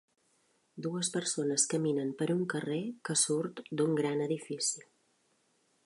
Dues persones caminen per un carrer que surt d'un gran edifici.